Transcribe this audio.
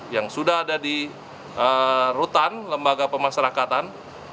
yang sudah ada di rutan lembaga pemasyarakatan